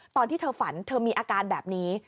ตอนที่เธอฝันเธอมีอาการแบบนี้